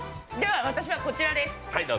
私はこちらです。